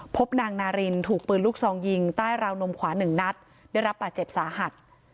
พบนางนารินถูกปืนลูกซองยิงใต้ราวนมขวาหนึ่งนัดได้รับบาดเจ็บสาหัส